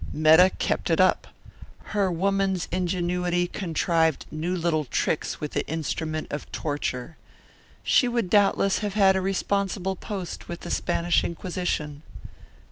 Metta kept it up. Her woman's ingenuity contrived new little tricks with the instrument of torture. She would doubtless have had a responsible post with the Spanish Inquisition.